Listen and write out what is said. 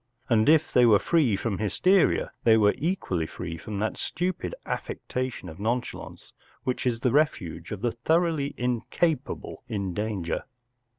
And if they were free from hysteria they were equally free from that stupid affectation of nonchalance which is the refuge of the thoroughly incapable in danger.